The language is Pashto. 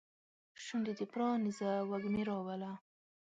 شونډې دې پرانیزه وږمې راوله